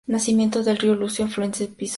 Nacimiento del río Lucio, afluente del Pisuerga.